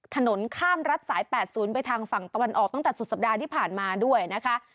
ถนนข้ามรัฐสาย๘๐ไปทางฝั่งตะวันออกตั้งแต่สุดสัปดาห์ที่ผ่านมาด้วยนะคะ